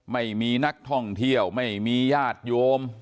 ไม่มีนักท่องเที่ยวไม่มีญาติโยม